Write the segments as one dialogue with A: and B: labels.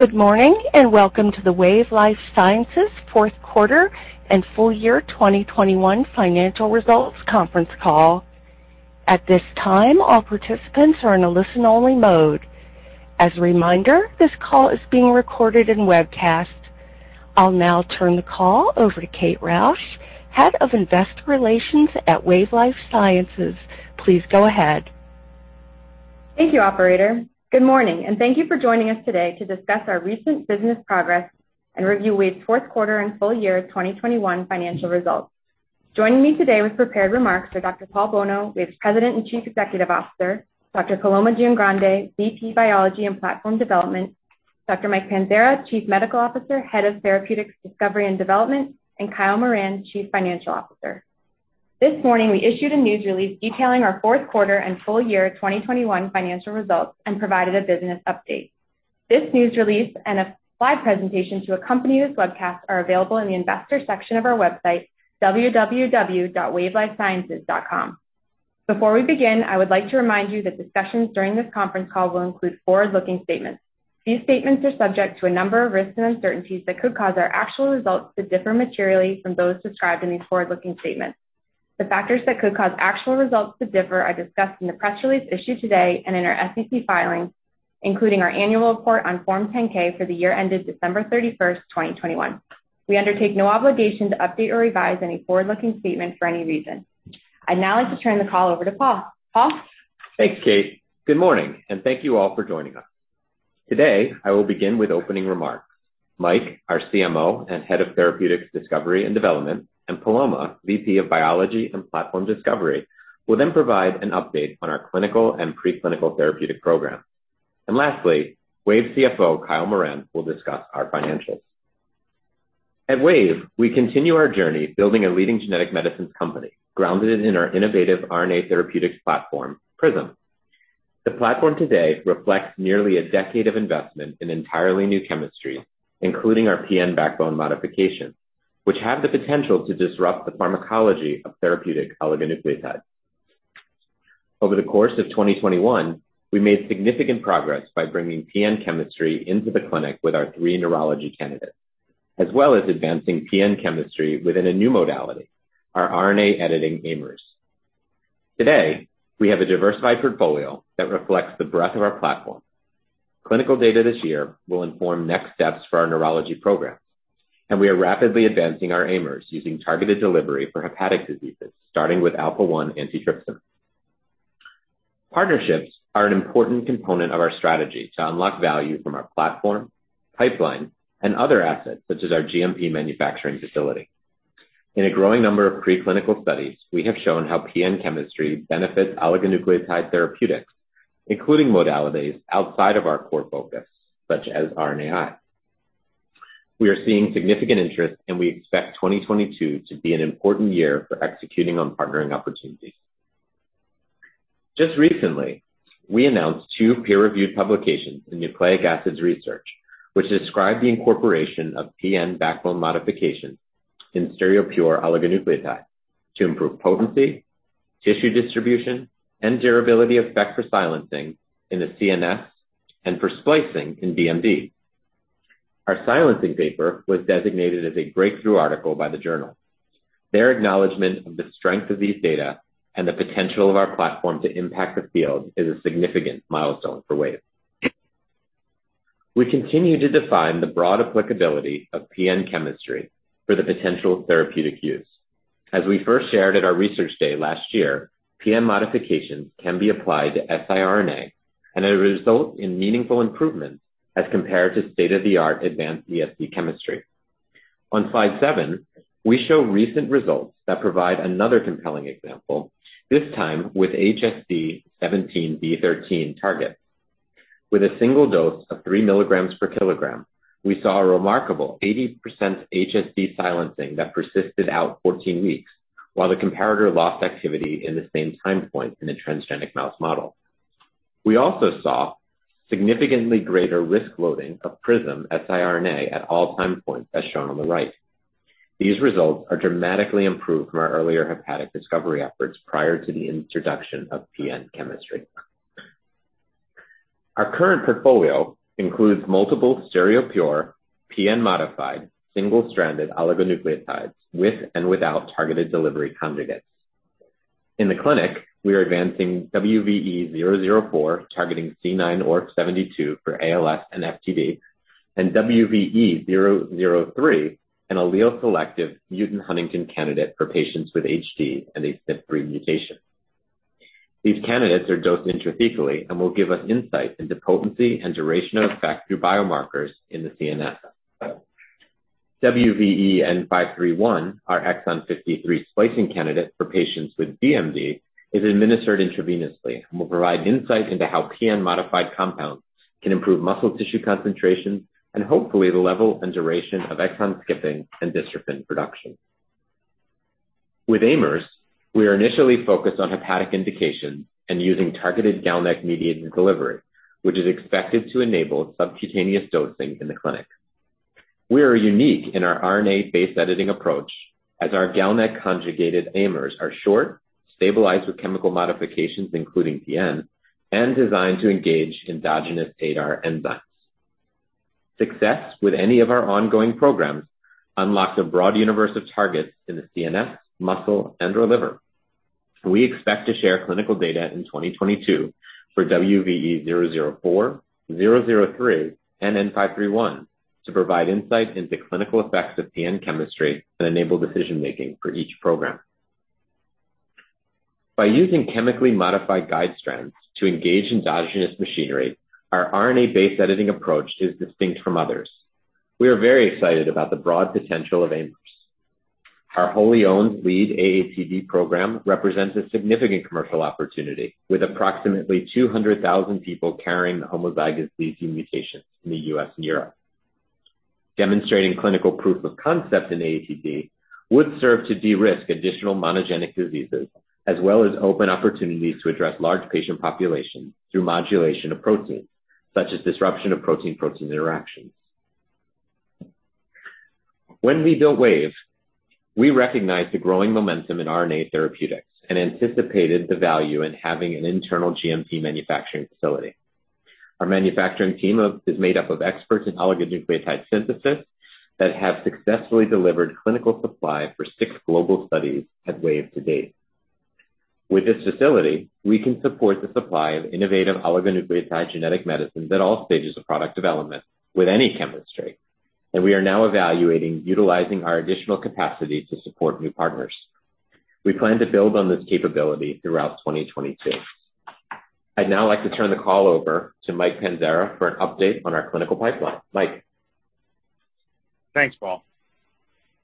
A: Good morning, and welcome to the Wave Life Sciences fourth quarter and full year 2021 financial results conference call. At this time, all participants are in a listen-only mode. As a reminder, this call is being recorded and webcast. I'll now turn the call over to Kate Rausch, Head of Investor Relations at Wave Life Sciences. Please go ahead.
B: Thank you, operator. Good morning, and thank you for joining us today to discuss our recent business progress and review Wave's fourth quarter and full year 2021 financial results. Joining me today with prepared remarks are Dr. Paul Bolno, Wave's President and Chief Executive Officer, Dr. Paloma Giangrande, VP, Biology and Platform Development, Dr. Michael Panzara, Chief Medical Officer, Head of Therapeutics, Discovery and Development, and Kyle Moran, Chief Financial Officer. This morning, we issued a news release detailing our fourth quarter and full year 2021 financial results and provided a business update. This news release and a slide presentation to accompany this webcast are available in the investor section of our website, www.wavelifesciences.com. Before we begin, I would like to remind you that discussions during this conference call will include forward-looking statements. These statements are subject to a number of risks and uncertainties that could cause our actual results to differ materially from those described in these forward-looking statements. The factors that could cause actual results to differ are discussed in the press release issued today and in our SEC filings, including our annual report on Form 10-K for the year ended 31st December, 2021. We undertake no obligation to update or revise any forward-looking statements for any reason. I'd now like to turn the call over to Paul. Paul?
C: Thanks, Kate. Good morning, and thank you all for joining us. Today, I will begin with opening remarks. Mike, our CMO and Head of Therapeutics, Discovery and Development, and Paloma, VP of Biology and Platform Discovery, will then provide an update on our clinical and pre-clinical therapeutic programs. Lastly, Wave CFO, Kyle Moran, will discuss our financials. At Wave, we continue our journey building a leading genetic medicines company grounded in our innovative RNA therapeutics platform, PRISM. The platform today reflects nearly a decade of investment in entirely new chemistry, including our PN backbone modification, which have the potential to disrupt the pharmacology of therapeutic oligonucleotides. Over the course of 2021, we made significant progress by bringing PN chemistry into the clinic with our three neurology candidates, as well as advancing PN chemistry within a new modality, our RNA editing AIMers. Today, we have a diversified portfolio that reflects the breadth of our platform. Clinical data this year will inform next steps for our neurology programs, and we are rapidly advancing our AIMers using targeted delivery for hepatic diseases, starting with alpha-1 antitrypsin. Partnerships are an important component of our strategy to unlock value from our platform, pipeline, and other assets, such as our GMP manufacturing facility. In a growing number of pre-clinical studies, we have shown how PN chemistry benefits oligonucleotide therapeutics, including modalities outside of our core focus, such as RNAi. We are seeing significant interest, and we expect 2022 to be an important year for executing on partnering opportunities. Just recently, we announced two peer-reviewed publications in Nucleic Acids Research, which describe the incorporation of PN backbone modification in stereopure oligonucleotides to improve potency, tissue distribution, and durability effect for silencing in the CNS and for splicing in DMD. Our silencing paper was designated as a breakthrough article by the journal. Their acknowledgment of the strength of these data and the potential of our platform to impact the field is a significant milestone for Wave. We continue to define the broad applicability of PN chemistry for the potential therapeutic use. As we first shared at our research day last year, PN modifications can be applied to siRNA, and it result in meaningful improvements as compared to state-of-the-art advanced ESC chemistry. On slide 7, we show recent results that provide another compelling example, this time with HSD17B13 target. With a single dose of 3 mg/kg, we saw a remarkable 80% HSD silencing that persisted out 14 weeks, while the comparator lost activity in the same time point in the transgenic mouse model. We also saw significantly greater RISC loading of PRISM siRNA at all time points, as shown on the right. These results are dramatically improved from our earlier hepatic discovery efforts prior to the introduction of PN chemistry. Our current portfolio includes multiple stereopure, PN-modified, single-stranded oligonucleotides with and without targeted delivery conjugates. In the clinic, we are advancing WVE-004, targeting C9orf72 for ALS and FTD, and WVE-003, an allele-selective mutant huntingtin candidate for patients with HD and a SNP3 mutation. These candidates are dosed intrathecally and will give us insight into potency and duration of effect through biomarkers in the CNS. WVE-N531, our exon 53 skipping candidate for patients with DMD, is administered intravenously and will provide insight into how PN-modified compounds can improve muscle tissue concentration and hopefully the level and duration of exon skipping and dystrophin production. With AIMers, we are initially focused on hepatic indications and using targeted GalNAc-mediated delivery, which is expected to enable subcutaneous dosing in the clinic. We are unique in our RNA-based editing approach as our GalNAc-conjugated AIMers are short, stabilized with chemical modifications including PN, and designed to engage endogenous ADAR enzymes. Success with any of our ongoing programs unlocks a broad universe of targets in the CNS, muscle, and/or liver. We expect to share clinical data in 2022 for WVE-004, WVE-003, and WVE-N531 to provide insight into clinical effects of PN chemistry and enable decision making for each program. By using chemically modified guide strands to engage endogenous machinery, our RNA-based editing approach is distinct from others. We are very excited about the broad potential of AIMers. Our wholly owned lead AATD program represents a significant commercial opportunity, with approximately 200,000 people carrying homozygous ZZ mutations in the U.S. and Europe. Demonstrating clinical proof of concept in AATD would serve to de-risk additional monogenic diseases as well as open opportunities to address large patient populations through modulation of proteins, such as disruption of protein-protein interactions. When we built Wave, we recognized the growing momentum in RNA therapeutics and anticipated the value in having an internal GMP manufacturing facility. Our manufacturing team is made up of experts in oligonucleotide synthesis that have successfully delivered clinical supply for six global studies at Wave to date. With this facility, we can support the supply of innovative oligonucleotide genetic medicines at all stages of product development with any chemistry, and we are now evaluating utilizing our additional capacity to support new partners. We plan to build on this capability throughout 2022. I'd now like to turn the call over to Mike Panzara for an update on our clinical pipeline. Mike?
D: Thanks, Paul.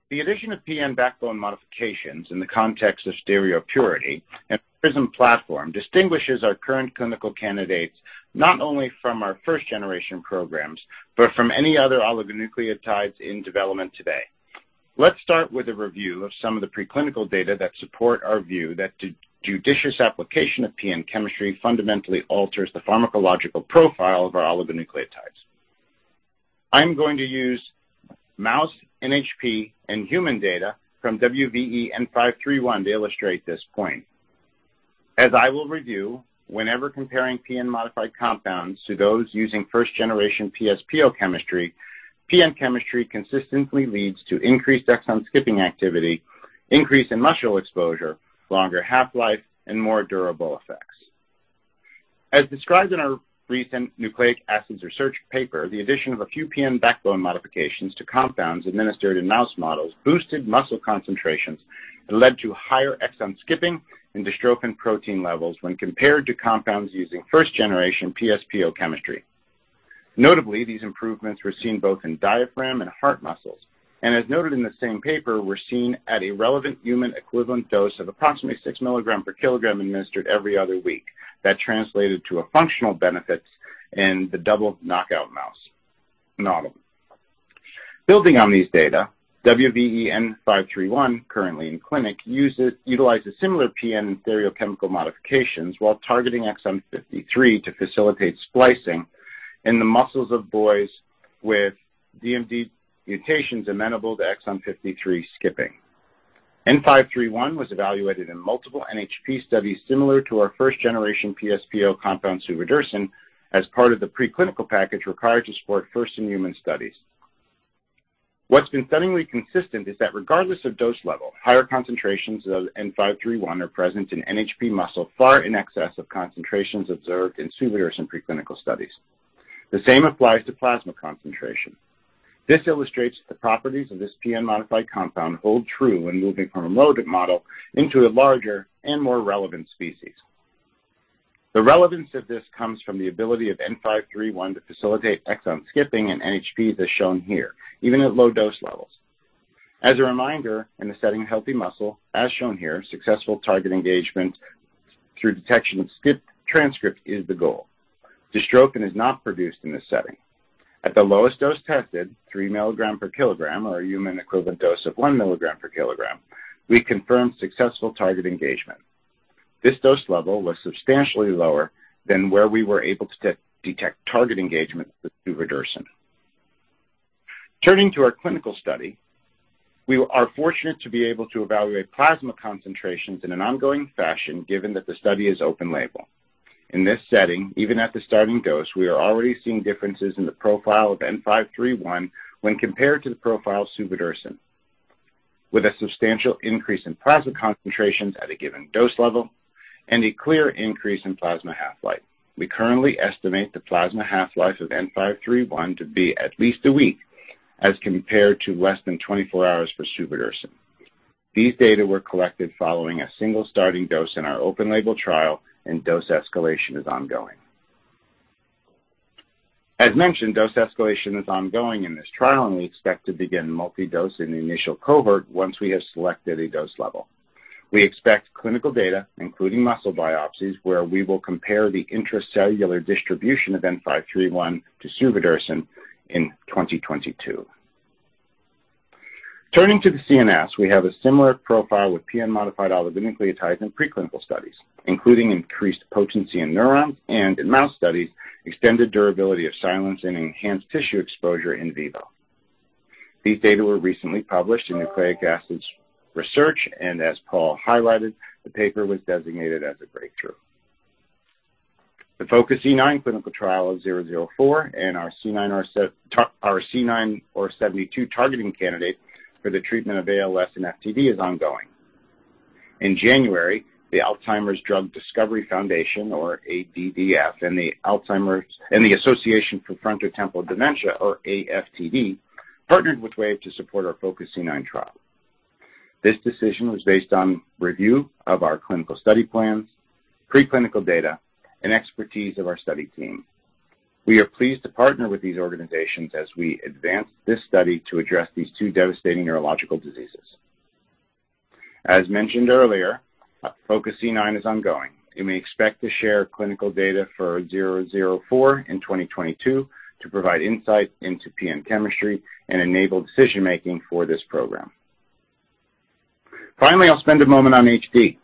D: The addition of PN backbone modifications in the context of stereopurity and PRISM platform distinguishes our current clinical candidates not only from our first generation programs, but from any other oligonucleotides in development today. Let's start with a review of some of the preclinical data that support our view that the judicious application of PN chemistry fundamentally alters the pharmacological profile of our oligonucleotides. I'm going to use mouse, NHP, and human data from WVE-N531 to illustrate this point. As I will review, whenever comparing PN modified compounds to those using first generation PS/PO chemistry, PN chemistry consistently leads to increased exon skipping activity, increase in muscle exposure, longer half-life, and more durable effects. As described in our recent Nucleic Acids Research paper, the addition of a few PN backbone modifications to compounds administered in mouse models boosted muscle concentrations and led to higher exon skipping and dystrophin protein levels when compared to compounds using first generation PS/PO chemistry. Notably, these improvements were seen both in diaphragm and heart muscles, and as noted in the same paper, were seen at a relevant human equivalent dose of approximately 6 mg/kg administered every other week. That translated to a functional benefit in the mdx/mTR knockout mouse. Building on these data, WVE-N531, currently in clinic, utilizes similar PN stereochemical modifications while targeting exon 53 to facilitate splicing in the muscles of boys with DMD mutations amenable to exon 53 skipping. WVE-N531 was evaluated in multiple NHP studies similar to our first generation PS/PO compound suvodirsen as part of the preclinical package required to support first-in-human studies. What's been stunningly consistent is that regardless of dose level, higher concentrations of WVE-N531 are present in NHP muscle far in excess of concentrations observed in suvodirsen preclinical studies. The same applies to plasma concentration. This illustrates the properties of this PN modified compound hold true when moving from a rodent model into a larger and more relevant species. The relevance of this comes from the ability of WVE-N531 to facilitate exon skipping in NHPs as shown here, even at low dose levels. As a reminder, in the setting of healthy muscle, as shown here, successful target engagement through detection of skip transcript is the goal. Dystrophin is not produced in this setting. At the lowest dose tested, 3 mg/kg or a human equivalent dose of 1 mg/kg, we confirmed successful target engagement. This dose level was substantially lower than where we were able to detect target engagement with suvodirsen. Turning to our clinical study, we are fortunate to be able to evaluate plasma concentrations in an ongoing fashion given that the study is open label. In this setting, even at the starting dose, we are already seeing differences in the profile of N531 when compared to the profile of suvodirsen, with a substantial increase in plasma concentrations at a given dose level and a clear increase in plasma half-life. We currently estimate the plasma half-life of N531 to be at least a week as compared to less than 24 hours for suvodirsen. These data were collected following a single starting dose in our open label trial and dose escalation is ongoing. As mentioned, dose escalation is ongoing in this trial, and we expect to begin multi-dose in the initial cohort once we have selected a dose level. We expect clinical data, including muscle biopsies, where we will compare the intracellular distribution of WVE-N531 to suvodirsen in 2022. Turning to the CNS, we have a similar profile with PN-modified oligonucleotides in preclinical studies, including increased potency in neurons and in mouse studies, extended durability of silence and enhanced tissue exposure in vivo. These data were recently published in Nucleic Acids Research, and as Paul highlighted, the paper was designated as a breakthrough. The FOCUS-C9 clinical trial of WVE-004 and our C9orf72-targeting candidate for the treatment of ALS and FTD is ongoing. In January, the Alzheimer's Drug Discovery Foundation, or ADDF, and the Association for Frontotemporal Degeneration or AFTD, partnered with Wave to support our FOCUS-C9 trial. This decision was based on review of our clinical study plans, preclinical data, and expertise of our study team. We are pleased to partner with these organizations as we advance this study to address these two devastating neurological diseases. As mentioned earlier, FOCUS-C9 is ongoing, and we expect to share clinical data for WVE-004 in 2022 to provide insight into PN chemistry and enable decision-making for this program. Finally, I'll spend a moment on HD.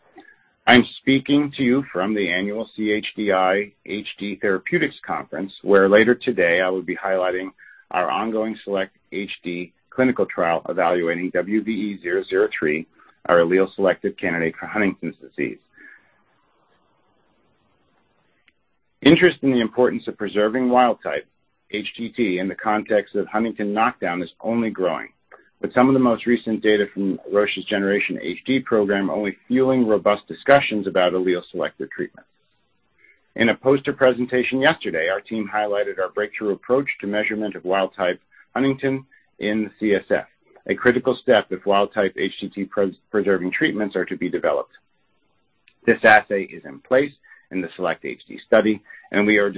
D: I'm speaking to you from the annual CHDI HD Therapeutics Conference, where later today I will be highlighting our ongoing SELECT-HD clinical trial evaluating WVE-003, our allele-selective candidate for Huntington's disease. Interest in the importance of preserving wild-type HTT in the context of Huntington knockdown is only growing, with some of the most recent data from Roche's GENERATION HD1 program only fueling robust discussions about allele-selective treatment. In a poster presentation yesterday, our team highlighted our breakthrough approach to measurement of wild-type Huntington in CSF, a critical step if wild-type HTT-preserving treatments are to be developed. This assay is in place in the SELECT-HD study, and we are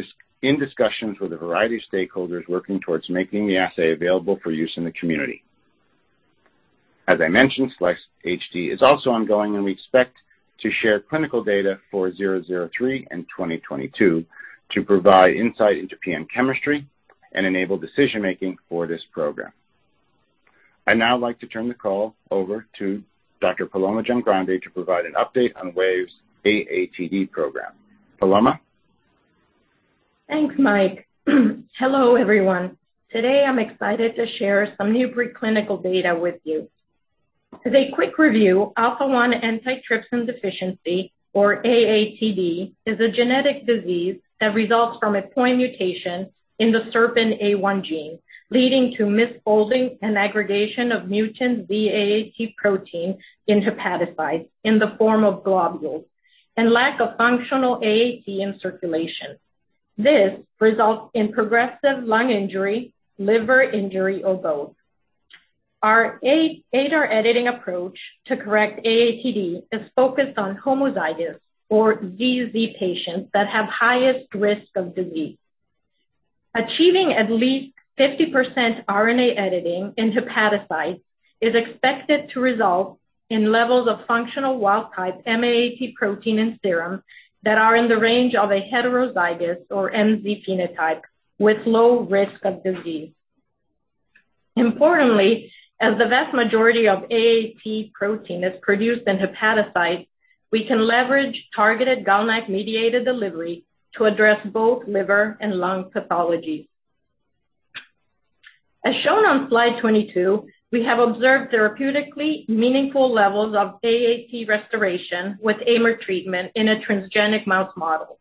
D: in discussions with a variety of stakeholders working towards making the assay available for use in the community. As I mentioned, SELECT-HD is also ongoing, and we expect to share clinical data for 003 in 2022 to provide insight into PN chemistry and enable decision-making for this program. I'd now like to turn the call over to Dr. Paloma Giangrande to provide an update on Wave's AATD program. Paloma?
E: Thanks, Mike. Hello, everyone. Today I'm excited to share some new preclinical data with you. As a quick review, alpha-1 antitrypsin deficiency, or AATD, is a genetic disease that results from a point mutation in the SERPINA1 gene, leading to misfolding and aggregation of mutant Z-AAT protein in hepatocytes in the form of globules and lack of functional AAT in circulation. This results in progressive lung injury, liver injury, or both. Our ADAR editing approach to correct AATD is focused on homozygous or ZZ patients that have highest risk of disease. Achieving at least 50% RNA editing in hepatocytes is expected to result in levels of functional wild-type M-AAT protein in serum that are in the range of a heterozygous or MZ phenotype with low risk of disease. Importantly, as the vast majority of AAT protein is produced in hepatocytes, we can leverage targeted GalNAc-mediated delivery to address both liver and lung pathology. As shown on slide 22, we have observed therapeutically meaningful levels of AAT restoration with AIMer treatment in a transgenic mouse model.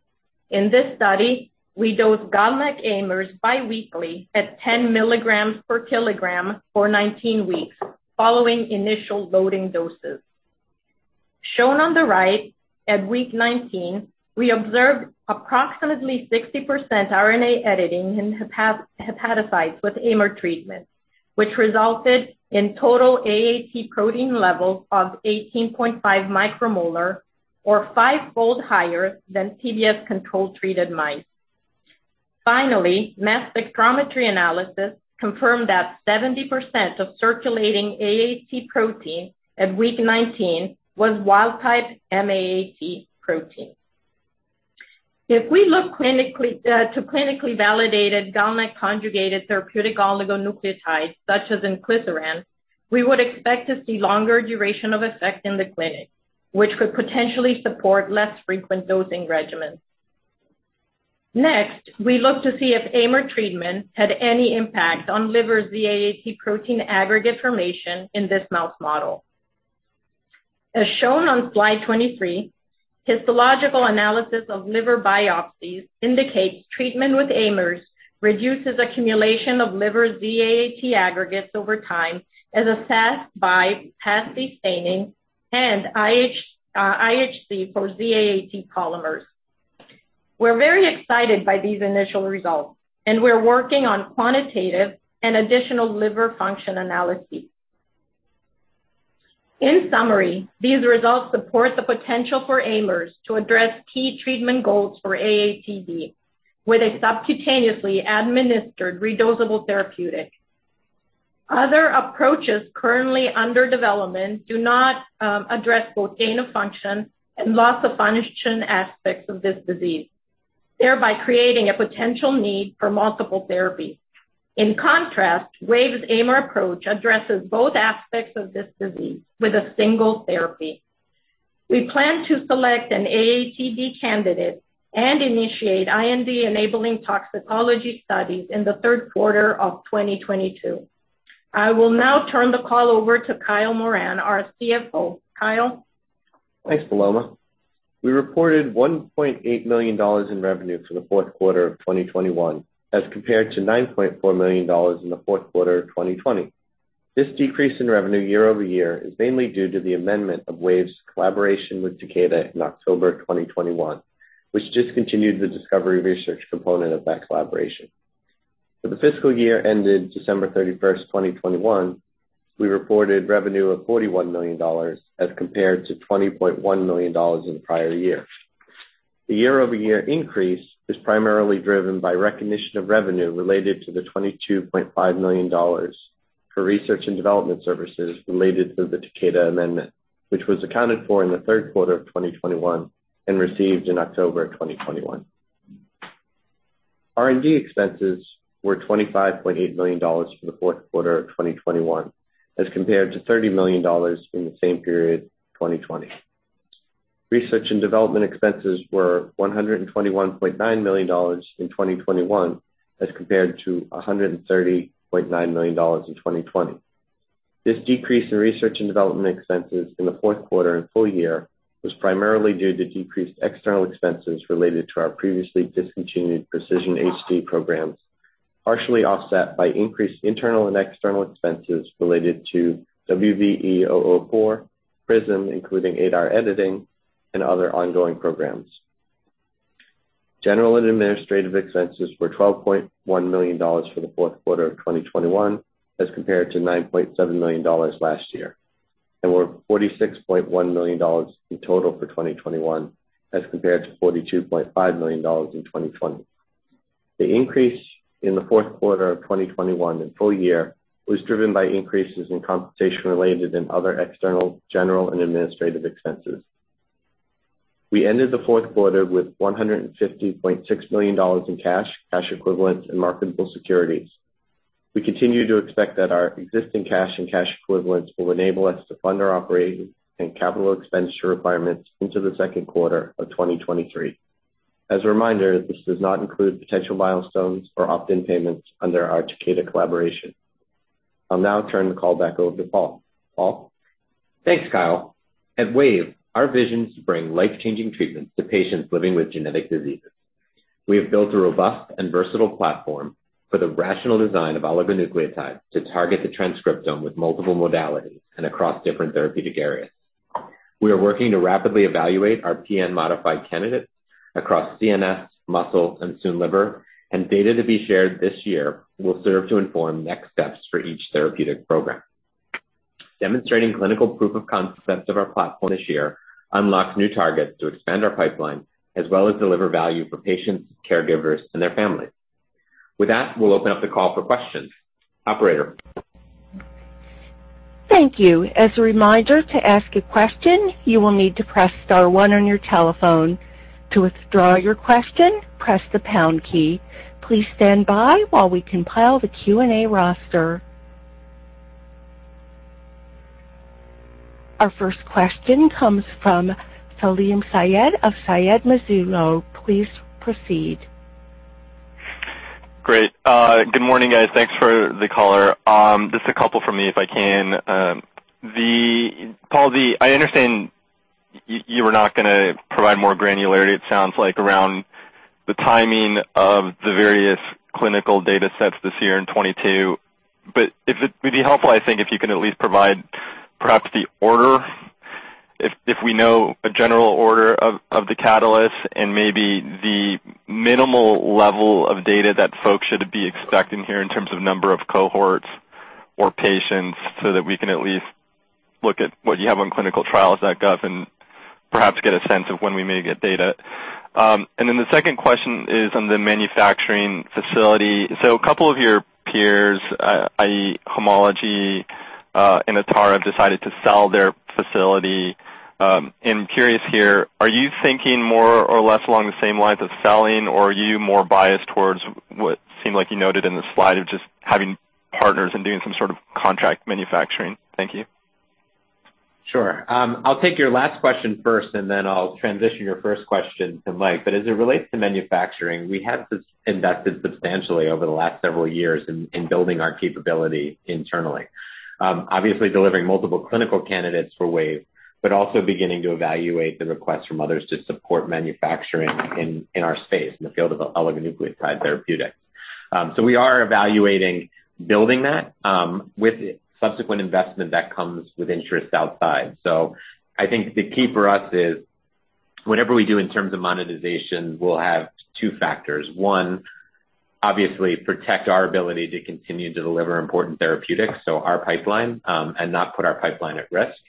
E: In this study, we dose GalNAc AIMers bi-weekly at 10 mg/kg for 19 weeks following initial loading doses. Shown on the right, at week 19, we observed approximately 60% RNA editing in hepatocytes with AIMer treatment, which resulted in total AAT protein levels of 18.5 micromolar or five-fold higher than PBS control-treated mice. Finally, mass spectrometry analysis confirmed that 70% of circulating AAT protein at week 19 was wild-type M-AAT protein. If we look clinically to clinically validated GalNAc conjugated therapeutic oligonucleotides such as inclisiran, we would expect to see longer duration of effect in the clinic, which could potentially support less frequent dosing regimens. Next, we look to see if AIMer treatment had any impact on liver Z-AAT protein aggregate formation in this mouse model. As shown on slide 23, histological analysis of liver biopsies indicates treatment with AIMers reduces accumulation of liver Z-AAT aggregates over time, as assessed by PAS-D staining and IHC for Z-AAT polymers. We're very excited by these initial results, and we're working on quantitative and additional liver function analyses. In summary, these results support the potential for AIMers to address key treatment goals for AATD with a subcutaneously administered redosable therapeutic. Other approaches currently under development do not address both gain of function and loss of function aspects of this disease. Thereby creating a potential need for multiple therapies. In contrast, Wave's AIMer approach addresses both aspects of this disease with a single therapy. We plan to select an AATD candidate and initiate IND-enabling toxicology studies in the third quarter of 2022. I will now turn the call over to Kyle Moran, our CFO. Kyle?
F: Thanks, Paloma. We reported $1.8 million in revenue for the fourth quarter of 2021, as compared to $9.4 million in the fourth quarter of 2020. This decrease in revenue year-over-year is mainly due to the amendment of Wave's collaboration with Takeda in October of 2021, which discontinued the discovery research component of that collaboration. For the fiscal year ended 31st December, 2021, we reported revenue of $41 million, as compared to $20.1 million in the prior year. The year-over-year increase is primarily driven by recognition of revenue related to the $22.5 million for research and development services related to the Takeda amendment, which was accounted for in the third quarter of 2021 and received in October of 2021.
G: R&D expenses were $25.8 million for the fourth quarter of 2021, as compared to $30 million in the same period, 2020. Research and development expenses were $121.9 million in 2021, as compared to $130.9 million in 2020. This decrease in research and development expenses in the fourth quarter and full year was primarily due to decreased external expenses related to our previously discontinued PRECISION-HD programs, partially offset by increased internal and external expenses related to WVE-004, PRISM, including ADAR editing and other ongoing programs. General and administrative expenses were $12.1 million for the fourth quarter of 2021, as compared to $9.7 million last year, and were $46.1 million in total for 2021, as compared to $42.5 million in 2020. The increase in the fourth quarter of 2021 and full year was driven by increases in compensation related and other external general and administrative expenses. We ended the fourth quarter with $150.6 million in cash equivalents, and marketable securities. We continue to expect that our existing cash and cash equivalents will enable us to fund our operating and capital expenditure requirements into the second quarter of 2023. As a reminder, this does not include potential milestones or opt-in payments under our Takeda collaboration. I'll now turn the call back over to Paul. Paul?
C: Thanks, Kyle. At Wave, our vision is to bring life-changing treatments to patients living with genetic diseases. We have built a robust and versatile platform for the rational design of oligonucleotides to target the transcriptome with multiple modalities and across different therapeutic areas. We are working to rapidly evaluate our PN modified candidates across CNS, muscle, and soon liver, and data to be shared this year will serve to inform next steps for each therapeutic program. Demonstrating clinical proof of concept of our platform this year unlocks new targets to expand our pipeline, as well as deliver value for patients, caregivers, and their families. With that, we'll open up the call for questions. Operator?
A: Thank you. As a reminder, to ask a question, you will need to press star one on your telephone. To withdraw your question, press the pound key. Please stand by while we compile the Q&A roster. Our first question comes from Salim Syed of Mizuho Securities. Please proceed.
H: Great. Good morning, guys. Thanks for the color. Just a couple from me, if I can. The ALS, I understand you were not gonna provide more granularity, it sounds like, around the timing of the various clinical data sets this year in 2022. Would be helpful, I think, if you can at least provide perhaps the order, if we know a general order of the catalyst and maybe the minimal level of data that folks should be expecting here in terms of number of cohorts or patients, so that we can at least look at what you have on clinicaltrials.gov and perhaps get a sense of when we may get data. And then the second question is on the manufacturing facility. So a couple of your peers, i.e., Homology and Atara, have decided to sell their facility. I'm curious here, are you thinking more or less along the same lines of selling, or are you more biased towards what seemed like you noted in the slide of just having partners and doing some sort of contract manufacturing? Thank you.
C: Sure. I'll take your last question first, and then I'll transition your first question to Mike. As it relates to manufacturing, we have invested substantially over the last several years in building our capability internally. Obviously delivering multiple clinical candidates for Wave, but also beginning to evaluate the requests from others to support manufacturing in our space, in the field of oligonucleotide therapeutics. We are evaluating building that with subsequent investment that comes with interest outside. I think the key for us is whatever we do in terms of monetization, we'll have two factors. One, obviously protect our ability to continue to deliver important therapeutics, so our pipeline, and not put our pipeline at risk.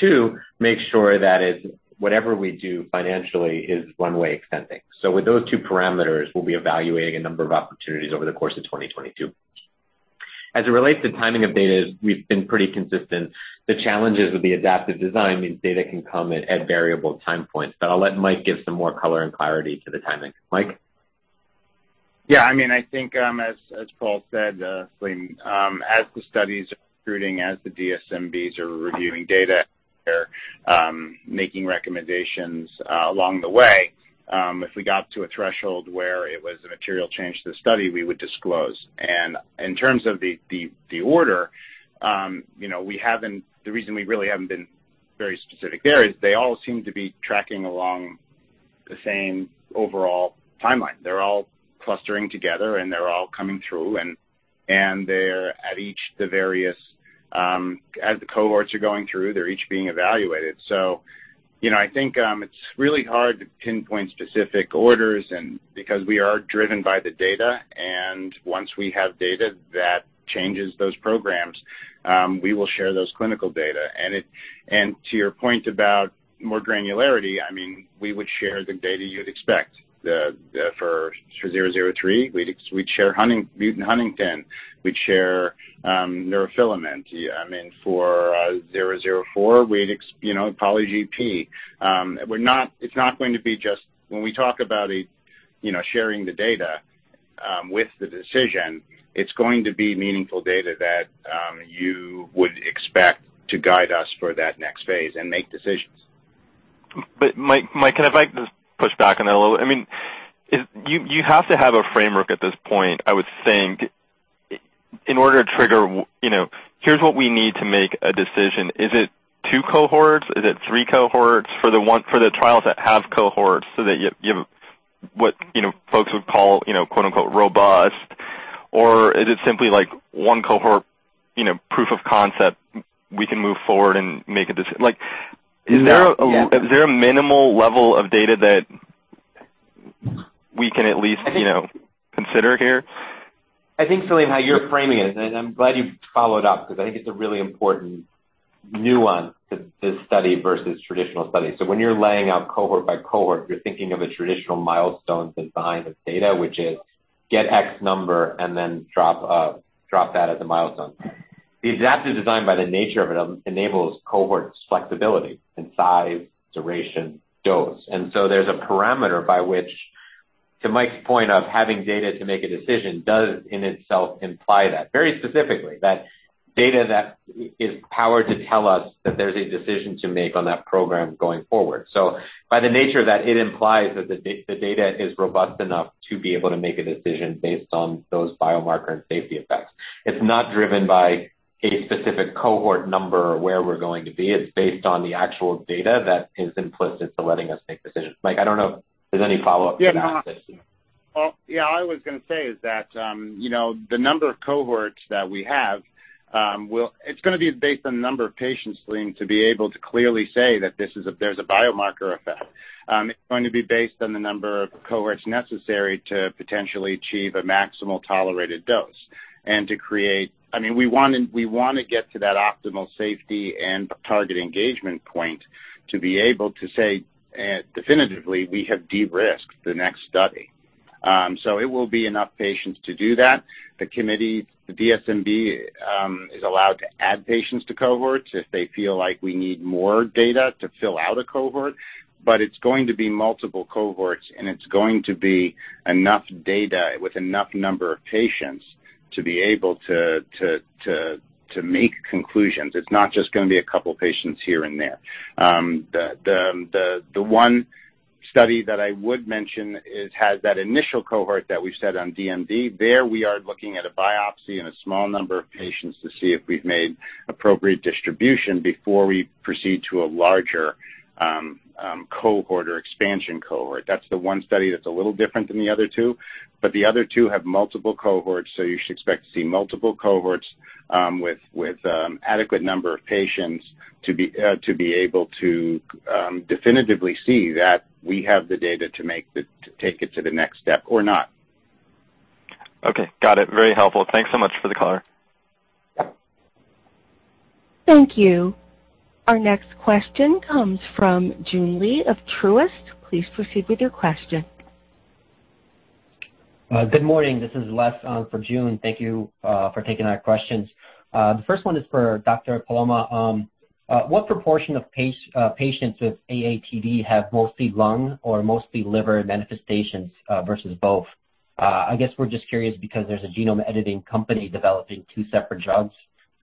C: Two, make sure that it's whatever we do financially is one way extending. With those two parameters, we'll be evaluating a number of opportunities over the course of 2022. As it relates to timing of data, we've been pretty consistent. The challenges with the adaptive design means data can come at variable time points. I'll let Mike give some more color and clarity to the timing. Mike?
D: Yeah, I mean, I think, as Paul said, Salim, as the studies are recruiting, as the DSMBs are reviewing data, they're making recommendations along the way. If we got to a threshold where it was a material change to the study, we would disclose. In terms of the order, you know, the reason we really haven't been very specific there is they all seem to be tracking along the same overall timeline. They're all clustering together, and they're all coming through and they're at each the various, as the cohorts are going through, they're each being evaluated. You know, I think, it's really hard to pinpoint specific orders and because we are driven by the data, and once we have data that changes those programs, we will share those clinical data. To your point about more granularity, I mean, we would share the data you'd expect. For zero zero three, we'd share mutant huntingtin. We'd share neurofilament. I mean, for zero zero four, we'd expect, you know, polyGP. It's not going to be just when we talk about, you know, sharing the data with the decision. It's going to be meaningful data that you would expect to guide us for that next phase and make decisions.
H: Mike, can I just push back on that a little? I mean, you have to have a framework at this point, I would think, in order to trigger, you know, here's what we need to make a decision. Is it two cohorts? Is it three cohorts for the trials that have cohorts so that you have what, you know, folks would call, you know, quote-unquote, robust? Or is it simply like one cohort, you know, proof of concept, we can move forward and make a decision.
D: Yeah.
H: Is there a minimal level of data that we can at least, you know, consider here?
C: I think, Salim, how you're framing it, and I'm glad you followed up because I think it's a really important nuance to this study versus traditional studies. When you're laying out cohort by cohort, you're thinking of a traditional milestone design of data, which is get X number and then drop that as a milestone. The adaptive design, by the nature of it, enables cohort flexibility in size, duration, dose. There's a parameter by which, to Mike's point of having data to make a decision, does in itself imply that. Very specifically, that data that is powered to tell us that there's a decision to make on that program going forward. By the nature that it implies that the data is robust enough to be able to make a decision based on those biomarker and safety effects. It's not driven by a specific cohort number where we're going to be. It's based on the actual data that is implicit to letting us make decisions. Mike, I don't know if there's any follow-up to that.
D: Yeah. Well, yeah, I was gonna say is that, you know, the number of cohorts that we have will be based on the number of patients, Salim, to be able to clearly say that there is a biomarker effect. It's going to be based on the number of cohorts necessary to potentially achieve a maximal tolerated dose. I mean, we want to get to that optimal safety and target engagement point to be able to say definitively we have de-risked the next study. It will be enough patients to do that. The committee, the DSMB, is allowed to add patients to cohorts if they feel like we need more data to fill out a cohort, but it's going to be multiple cohorts, and it's going to be enough data with enough number of patients to be able to make conclusions. It's not just gonna be a couple patients here and there. The one study that I would mention has that initial cohort that we've set on DMD. There, we are looking at a biopsy in a small number of patients to see if we've made appropriate distribution before we proceed to a larger cohort or expansion cohort. That's the one study that's a little different than the other two. The other two have multiple cohorts, so you should expect to see multiple cohorts with adequate number of patients to be able to definitively see that we have the data to take it to the next step or not.
H: Okay. Got it. Very helpful. Thanks so much for the color.
A: Thank you. Our next question comes from Joon Lee of Truist. Please proceed with your question.
I: Good morning. This is Les for Joon Lee. Thank you for taking our questions. The first one is for Dr. Paloma Giangrande. What proportion of patients with AATD have mostly lung or mostly liver manifestations versus both? I guess we're just curious because there's a genome editing company developing two separate drugs,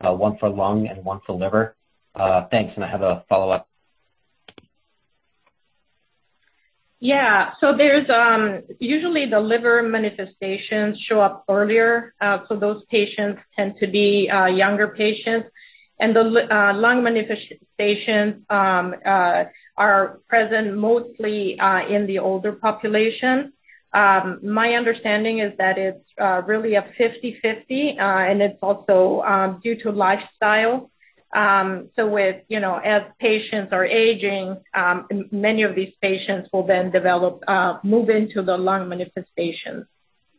I: one for lung and one for liver. Thanks, and I have a follow-up.
E: Yeah. There's usually the liver manifestations show up earlier, so those patients tend to be younger patients. The lung manifestations are present mostly in the older population. My understanding is that it's really a 50/50, and it's also due to lifestyle. With, you know, as patients are aging, many of these patients will then develop, move into the lung manifestations.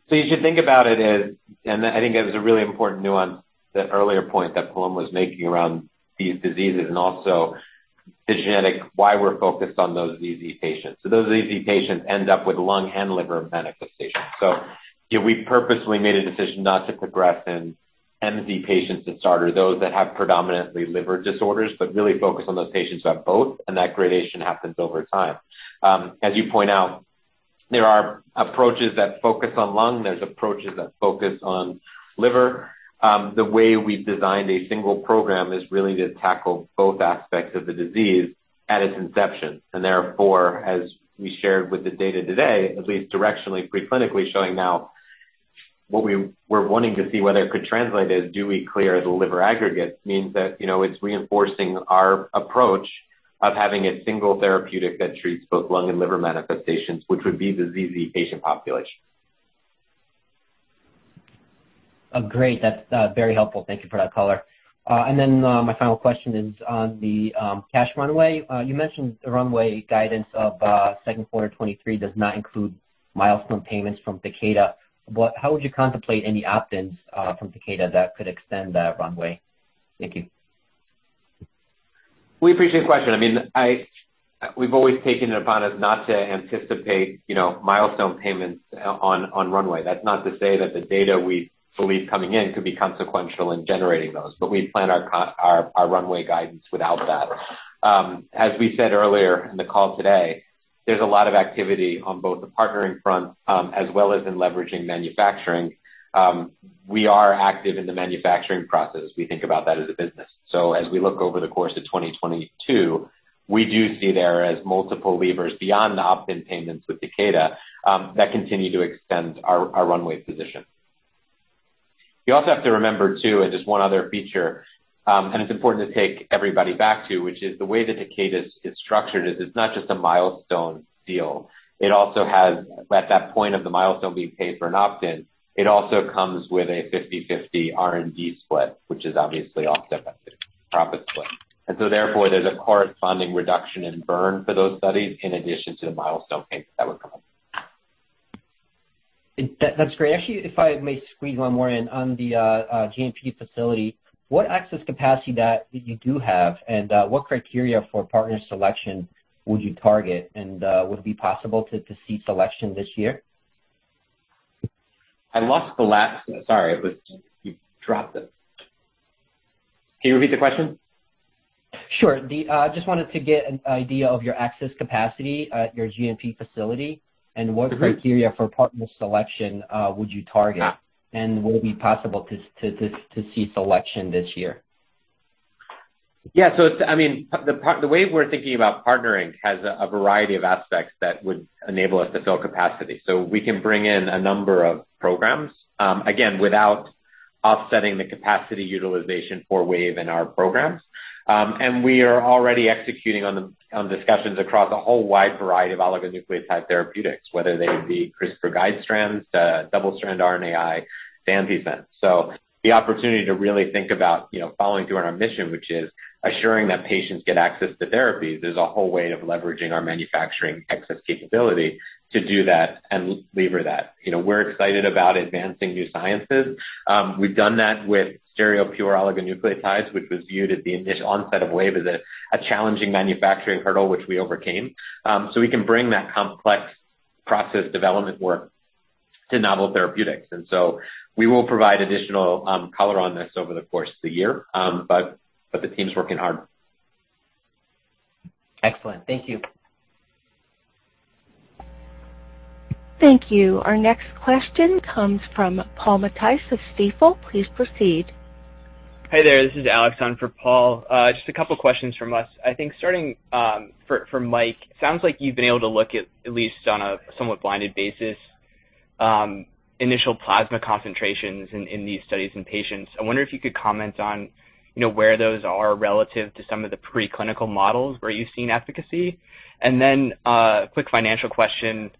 C: You should think about it as, and I think it was a really important nuance, that earlier point that Paloma was making around these diseases and also the genetic why we're focused on those ZZ patients. Those ZZ patients end up with lung and liver manifestations. Yeah, we purposely made a decision not to progress in MZ patients to start or those that have predominantly liver disorders, but really focus on those patients who have both, and that gradation happens over time. As you point out, there are approaches that focus on lung, there's approaches that focus on liver. The way we've designed a single program is really to tackle both aspects of the disease at its inception. Therefore, as we shared with the data today, at least directionally pre-clinically showing now what we're wanting to see whether it could translate is do we clear the liver aggregates means that, you know, it's reinforcing our approach of having a single therapeutic that treats both lung and liver manifestations, which would be the ZZ patient population.
I: Oh, great. That's very helpful. Thank you for that color. My final question is on the cash runway. You mentioned the runway guidance of second quarter 2023 does not include milestone payments from Takeda. How would you contemplate any opt-ins from Takeda that could extend that runway? Thank you.
C: We appreciate the question. I mean, we've always taken it upon us not to anticipate, you know, milestone payments on runway. That's not to say that the data we believe coming in could be consequential in generating those, but we plan our runway guidance without that. As we said earlier in the call today, there's a lot of activity on both the partnering front, as well as in leveraging manufacturing. We are active in the manufacturing process. We think about that as a business. So as we look over the course of 2022, we do see there are multiple levers beyond the opt-in payments with Takeda, that continue to extend our runway position. You also have to remember, too, and just one other feature, and it's important to take everybody back to, which is the way that Takeda is structured is it's not just a milestone deal. It also has, at that point of the milestone being paid for an opt-in, it also comes with a 50/50 R&D split, which is obviously offset by the profit split. Therefore, there's a corresponding reduction in burn for those studies in addition to the milestone payments that would come in.
I: That's great. Actually, if I may squeeze one more in on the GMP facility, what access capacity that you do have and what criteria for partner selection would you target, and would it be possible to see selection this year?
C: I lost the last. Sorry. You dropped it. Can you repeat the question?
I: Sure. Just wanted to get an idea of your access capacity at your GMP facility, and what
C: Mm-hmm.
I: What criteria for partner selection would you target? Will it be possible to see selection this year?
C: Yeah. It's I mean, the way we're thinking about partnering has a variety of aspects that would enable us to fill capacity. We can bring in a number of programs, again, without offsetting the capacity utilization for Wave in our programs. We are already executing on discussions across a whole wide variety of oligonucleotide therapeutics, whether they be CRISPR guide strands, double-strand RNAi, antisense. The opportunity to really think about, you know, following through on our mission, which is assuring that patients get access to therapies, is a whole way of leveraging our manufacturing excess capability to do that and leverage that. You know, we're excited about advancing new sciences. We've done that with stereopure oligonucleotides, which was viewed at the onset of Wave as a challenging manufacturing hurdle, which we overcame. We can bring that complex process development work to novel therapeutics. We will provide additional color on this over the course of the year. The team's working hard.
I: Excellent. Thank you.
A: Thank you. Our next question comes from Paul Matteis of Stifel. Please proceed.
J: Hey there. This is Alex on for Paul. Just a couple questions from us. I think starting for Mike, sounds like you've been able to look at least on a somewhat blinded basis, initial plasma concentrations in these studies in patients. I wonder if you could comment on, you know, where those are relative to some of the preclinical models where you've seen efficacy. Quick financial question.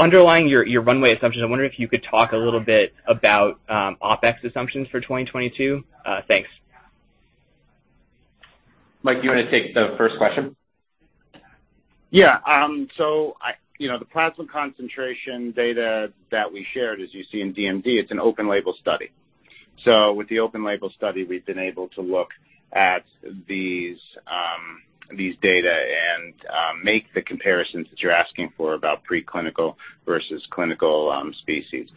J: Underlying your runway assumption, I wonder if you could talk a little bit about OpEx assumptions for 2022. Thanks.
C: Mike, do you wanna take the first question?
D: Yeah. You know, the plasma concentration data that we shared, as you see in DMD, it's an open label study. With the open label study, we've been able to look at these data and make the comparisons that you're asking for about preclinical versus clinical species.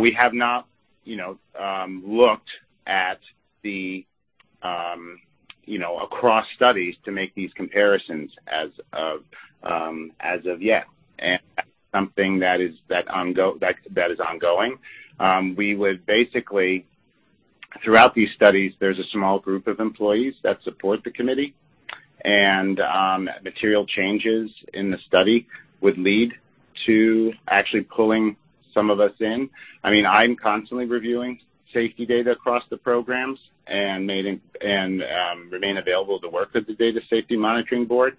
D: We have not, you know, looked at the, you know, across studies to make these comparisons as of yet. Something that is ongoing. We would basically, throughout these studies, there's a small group of employees that support the committee, and material changes in the study would lead to actually pulling some of us in. I mean, I'm constantly reviewing safety data across the programs and remain available to work with the data safety monitoring board.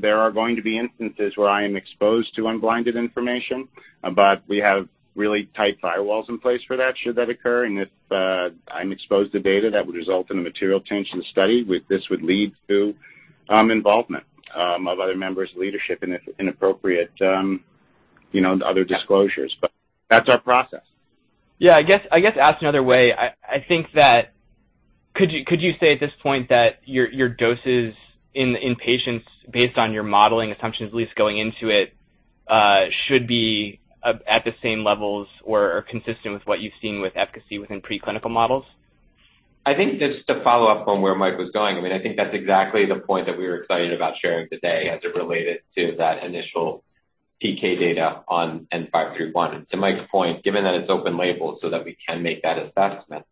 D: There are going to be instances where I am exposed to unblinded information, but we have really tight firewalls in place for that, should that occur. If I'm exposed to data that would result in a material change in the study, this would lead to involvement of other members of leadership in appropriate
C: You know, the other disclosures, but that's our process.
J: Yeah, I guess asked another way, I think that could you say at this point that your doses in patients based on your modeling assumptions, at least going into it, should be at the same levels or are consistent with what you've seen with efficacy within preclinical models?
C: I think just to follow up on where Mike was going, I mean, I think that's exactly the point that we were excited about sharing today as it related to that initial PK data on WVE-N531. To Mike's point, given that it's open label so that we can make that assessment,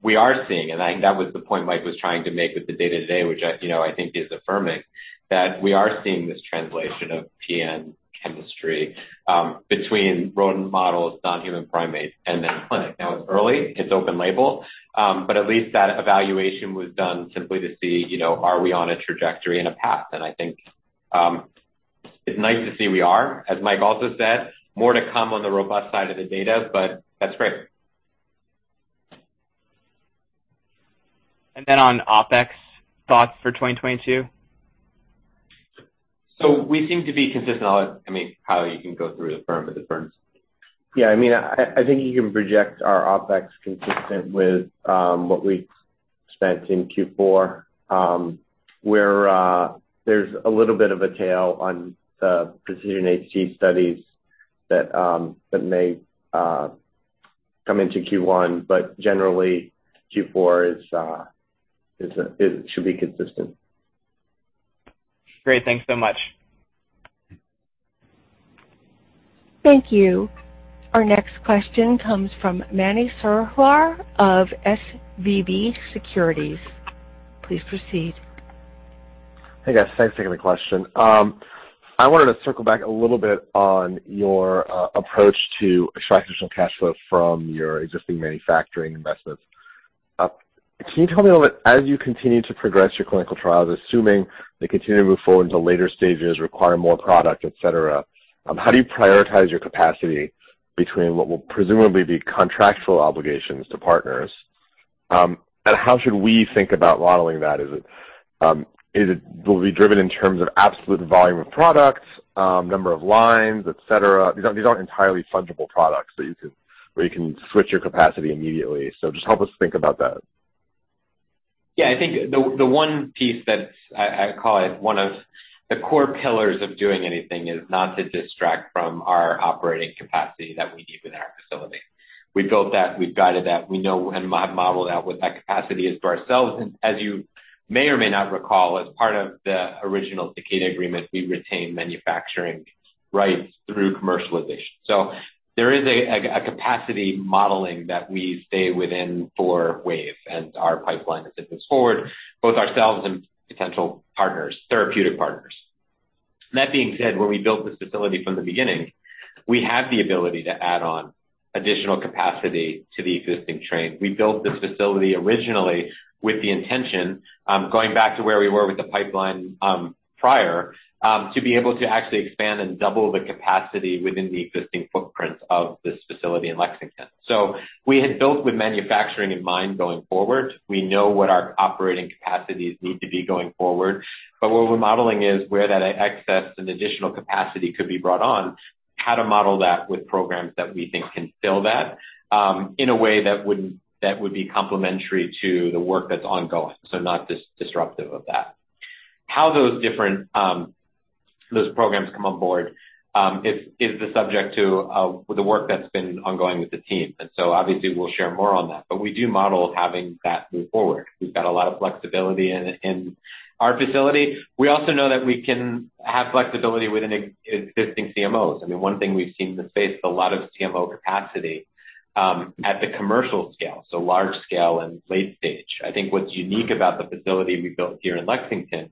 C: we are seeing, and I think that was the point Mike was trying to make with the data today, which, you know, I think is affirming, that we are seeing this translation of PN chemistry between rodent models, non-human primate, and then clinic. Now, it's early, it's open label, but at least that evaluation was done simply to see, you know, are we on a trajectory and a path. I think, it's nice to see we are. As Mike also said, more to come on the robust side of the data, but that's great.
J: On OpEx thoughts for 2022.
C: We seem to be consistent on, I mean, how you can go through the firm with the firms.
G: Yeah, I mean, I think you can project our OpEx consistent with what we spent in Q4, where there's a little bit of a tail on the PRECISION-HD studies that may come into Q1, but generally Q4 should be consistent.
J: Great. Thanks so much.
A: Thank you. Our next question comes from Mani Foroohar of SVB Securities. Please proceed.
K: Hey, guys. Thanks for taking the question. I wanted to circle back a little bit on your approach to extract additional cash flow from your existing manufacturing investments. Can you tell me a little bit, as you continue to progress your clinical trials, assuming they continue to move forward into later stages, require more product, et cetera, how do you prioritize your capacity between what will presumably be contractual obligations to partners? And how should we think about modeling that? Will it be driven in terms of absolute volume of products, number of lines, et cetera? These aren't entirely fungible products, where you can switch your capacity immediately. Just help us think about that.
C: Yeah. I think the one piece I call one of the core pillars of doing anything is not to distract from our operating capacity that we need within our facility. We built that. We've guided that. We know and have modeled out what that capacity is for ourselves. As you may or may not recall, as part of the original Takeda agreement, we retain manufacturing rights through commercialization. There is a capacity modeling that we stay within for Wave and our pipeline as it moves forward, both ourselves and potential partners, therapeutic partners. That being said, when we built this facility from the beginning, we had the ability to add on additional capacity to the existing train. We built this facility originally with the intention, going back to where we were with the pipeline, prior to be able to actually expand and double the capacity within the existing footprint of this facility in Lexington. We had built with manufacturing in mind going forward. We know what our operating capacities need to be going forward. What we're modeling is where that excess and additional capacity could be brought on, how to model that with programs that we think can fill that, in a way that would be complementary to the work that's ongoing, so not disruptive of that. How those different programs come on board is the subject to the work that's been ongoing with the team. Obviously we'll share more on that. We do model having that move forward. We've got a lot of flexibility in our facility. We also know that we can have flexibility within existing CMOs. I mean, one thing we've seen in the space, a lot of CMO capacity at the commercial scale, so large scale and late stage. I think what's unique about the facility we built here in Lexington is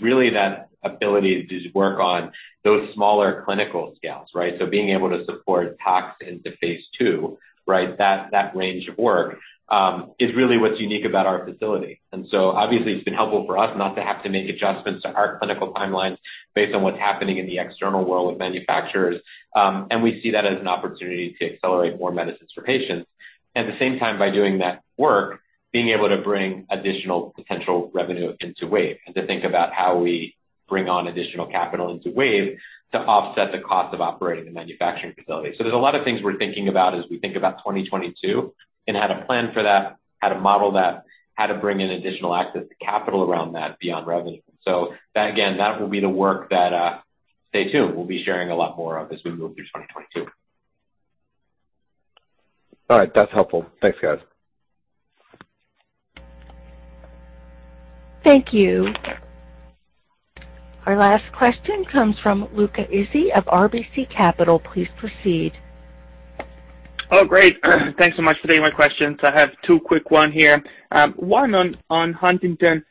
C: really that ability to work on those smaller clinical scales, right? So being able to support tox into phase II, right? That range of work is really what's unique about our facility. Obviously it's been helpful for us not to have to make adjustments to our clinical timelines based on what's happening in the external world with manufacturers. We see that as an opportunity to accelerate more medicines for patients. At the same time, by doing that work, being able to bring additional potential revenue into Wave and to think about how we bring on additional capital into Wave to offset the cost of operating the manufacturing facility. There's a lot of things we're thinking about as we think about 2022 and how to plan for that, how to model that, how to bring in additional access to capital around that beyond revenue. That, again, will be the work that. Stay tuned. We'll be sharing a lot more of as we move through 2022.
K: All right. That's helpful. Thanks, guys.
A: Thank you. Our last question comes from Luca Issi of RBC Capital. Please proceed.
F: Oh, great. Thanks so much for taking my questions. I have two quick ones here. One on Huntington,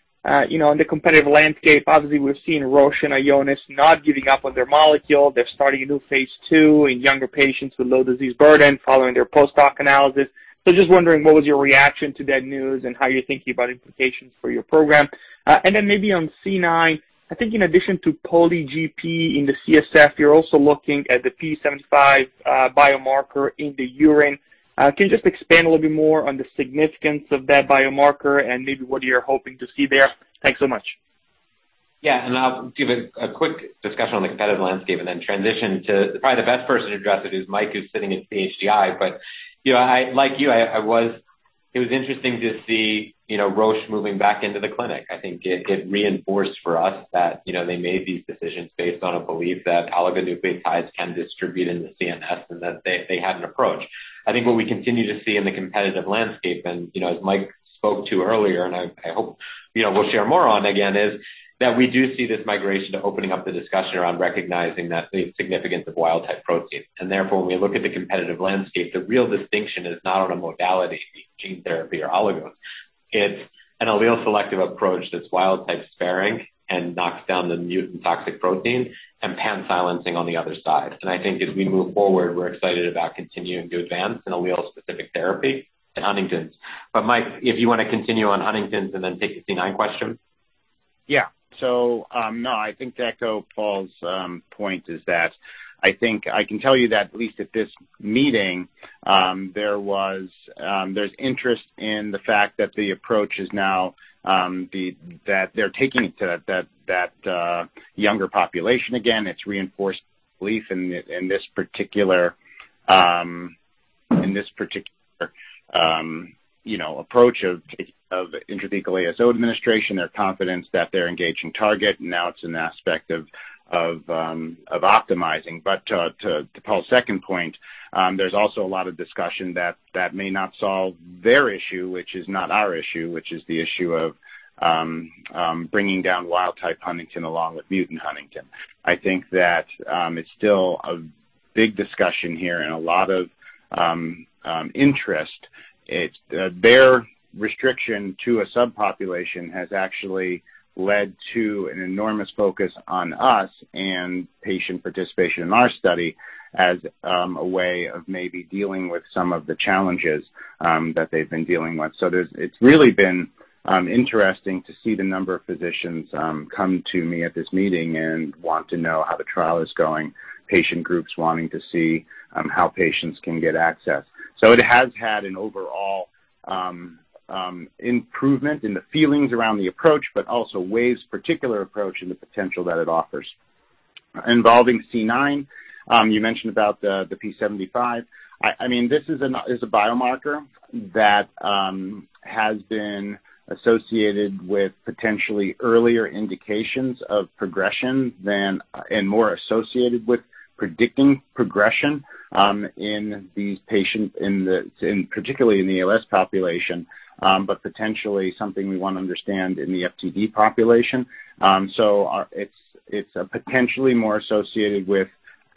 F: you know, on the competitive landscape. Obviously, we've seen Roche and Ionis not giving up on their molecule. They're starting a new phase II in younger patients with low disease burden following their post-hoc analysis. Just wondering what was your reaction to that news and how you're thinking about implications for your program. And then maybe on C9, I think in addition to poly(GP) in the CSF, you're also looking at the p75 biomarker in the urine. Can you just expand a little bit more on the significance of that biomarker and maybe what you're hoping to see there? Thanks so much.
C: Yeah, I'll give a quick discussion on the competitive landscape and then transition to. Probably the best person to address it is Mike, who's sitting at HD1. You know, like you, I was. It was interesting to see, you know, Roche moving back into the clinic. I think it reinforced for us that, you know, they made these decisions based on a belief that oligonucleotides can distribute in the CNS and that they had an approach. I think what we continue to see in the competitive landscape and, you know, as Mike spoke to earlier, and I hope, you know, we'll share more on again, is that we do see this migration to opening up the discussion around recognizing that the significance of wild-type proteins. Therefore, when we look at the competitive landscape, the real distinction is not on a modality, gene therapy or oligos. It's an allele-selective approach that's wild-type sparing and knocks down the mutant toxic protein and pan-silencing on the other side. I think as we move forward, we're excited about continuing to advance an allele-specific therapy in Huntington's. Mike, if you wanna continue on Huntington's and then take the C9 question.
D: Yeah. No, I think to echo Paul's point is that I think I can tell you that at least at this meeting, there's interest in the fact that the approach is now that they're taking it to that younger population again. It's reinforced belief in this particular you know approach of intrathecal ASO administration. Their confidence that they're engaging target, and now it's an aspect of optimizing. To Paul's second point, there's also a lot of discussion that that may not solve their issue, which is not our issue, which is the issue of bringing down wild type huntingtin along with mutant huntingtin. I think that it's still a big discussion here and a lot of interest. It's their restriction to a subpopulation has actually led to an enormous focus on us and patient participation in our study as a way of maybe dealing with some of the challenges that they've been dealing with. It's really been interesting to see the number of physicians come to me at this meeting and want to know how the trial is going, patient groups wanting to see how patients can get access. It has had an overall improvement in the feelings around the approach, but also Wave's particular approach in the potential that it offers. Involving C9, you mentioned about the p75. I mean, this is a biomarker that has been associated with potentially earlier indications of progression than and more associated with predicting progression in these patients in particularly in the ALS population, but potentially something we wanna understand in the FTD population. It's potentially more associated with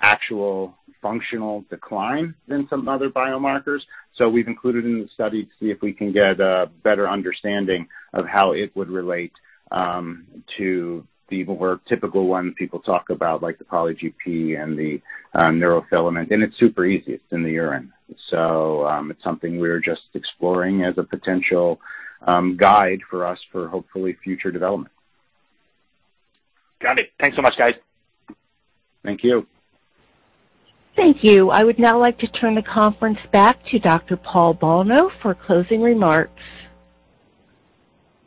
D: actual functional decline than some other biomarkers. We've included it in the study to see if we can get a better understanding of how it would relate to the more typical ones people talk about, like the polyGP and the neurofilament. It's super easy. It's in the urine. It's something we're just exploring as a potential guide for us for hopefully future development.
F: Got it. Thanks so much, guys.
D: Thank you.
A: Thank you. I would now like to turn the conference back to Dr. Paul Bolno for closing remarks.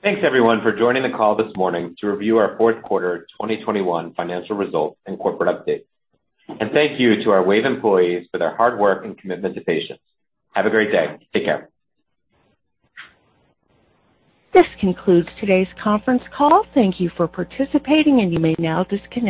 C: Thanks, everyone, for joining the call this morning to review our fourth quarter 2021 financial results and corporate update. Thank you to our Wave employees for their hard work and commitment to patients. Have a great day. Take care.
A: This concludes today's conference call. Thank you for participating, and you may now disconnect.